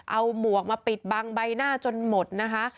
เอาหมวกมาปิดบังใบหน้าจนหมดนะคะ